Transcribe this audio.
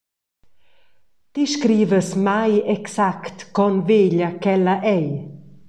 Ti scrivas mai exact con veglia ch’ella ei.